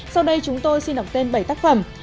sau đây chúng tôi xin đọc tên bảy tác phẩm